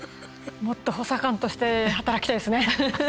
もっと補佐官として働きたいですね。